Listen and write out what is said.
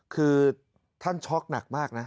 คือท่านช็อกหนักมากนะ